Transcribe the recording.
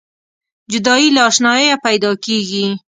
جدایي له اشناییه پیداکیږي.